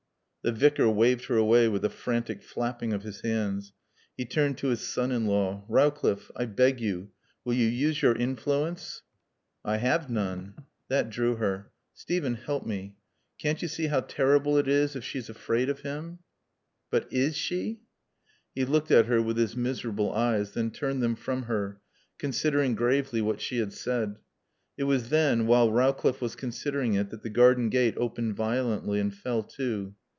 _" The Vicar waved her away with a frantic flapping of his hands. He turned to his son in law. "Rowcliffe I beg you will you use your influence?" "I have none." That drew her. "Steven help me can't you see how terrible it is if she's afraid of him?" "But is she?" He looked at her with his miserable eyes, then turned them from her, considering gravely what she had said. It was then, while Rowcliffe was considering it, that the garden gate opened violently and fell to.